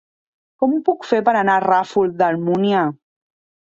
Com ho puc fer per anar al Ràfol d'Almúnia?